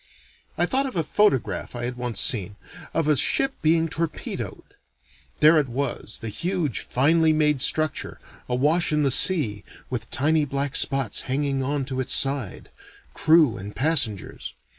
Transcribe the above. I thought of a photograph I had once seen, of a ship being torpedoed. There it was, the huge, finely made structure, awash in the sea, with tiny black spots hanging on to its side crew and passengers.